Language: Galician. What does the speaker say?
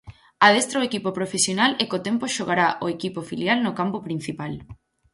Adestra o equipo profesional e co tempo xogará o equipo filial no campo principal.